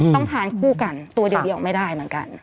ต้องทานคู่กันตัวเดียวไม่ได้เหมือนกัน